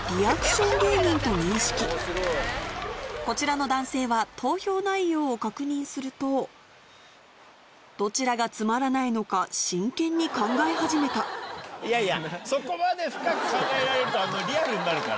こちらの男性は投票内容を確認するとどちらがつまらないのか真剣に考え始めたいやいや